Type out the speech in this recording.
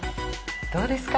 どうですか？